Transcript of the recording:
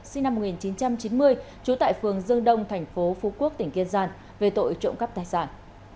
sinh năm một nghìn chín trăm chín mươi trú tại phường dương đông thành phố phú quốc tỉnh kiên giang về tội trộm cắp tài sản